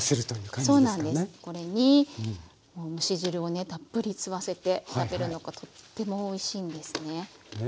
これに蒸し汁をねたっぷり吸わせて食べるのがとってもおいしいんですね。